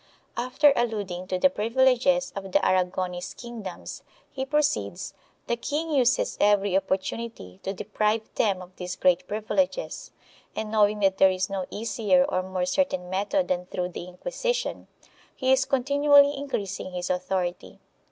After alluding to the privileges of the Aragonese kingdoms, he proceeds "The king uses every opportunity to deprive them of these great privileges and, knowing that there is no easier or more certain method than through the Inqui sition, he is continually increasing its authority.